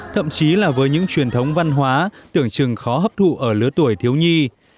thậm chí là với những truyền thống văn hóa tưởng chừng khó hấp thụ ở lứa tuổi thiếu nhi